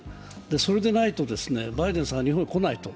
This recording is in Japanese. それでないと、バイデンさんは日本に来ないと。